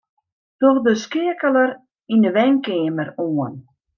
Doch de skeakeler yn 'e wenkeamer oan.